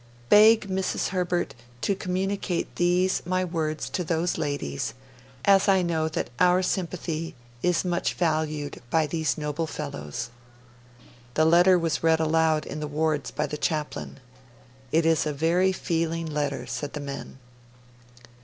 Beg Mrs. Herbert to communicate these my words to those ladies, as I know that our sympathy is much valued by these noble fellows.' The letter was read aloud in the wards by the Chaplain. 'It is a very feeling letter,' said the men.